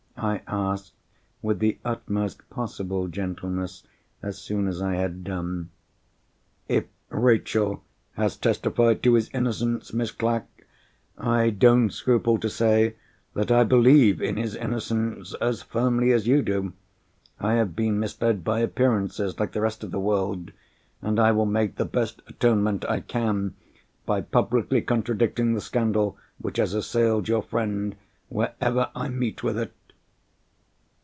_" I asked, with the utmost possible gentleness, as soon as I had done. "If Rachel has testified to his innocence, Miss Clack, I don't scruple to say that I believe in his innocence as firmly as you do. I have been misled by appearances, like the rest of the world; and I will make the best atonement I can, by publicly contradicting the scandal which has assailed your friend wherever I meet with it.